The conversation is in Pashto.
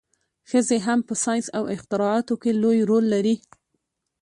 ښځې هم په ساینس او اختراعاتو کې لوی رول لري.